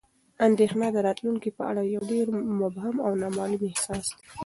اندېښنه د راتلونکي په اړه یو ډېر مبهم او نامعلوم احساس دی.